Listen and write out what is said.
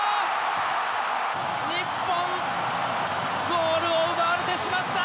日本ゴールを奪われてしまった！